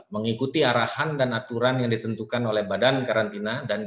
mengikuti arahan dan aturan yang ditentukan oleh badan karantina